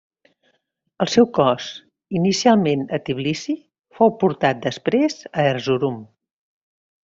El seu cos, inicialment a Tbilisi fou portat després a Erzurum.